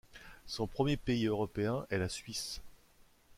Son premier pays Européen est la Suisse.